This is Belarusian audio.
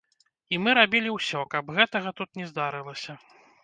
І мы рабілі ўсё, каб гэтага тут не здарылася.